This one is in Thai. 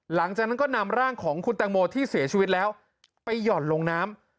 หลังจากนั้นก็นำร่างของคุณตังโมที่เสียชีวิตแล้วไปหย่อนลงน้ำ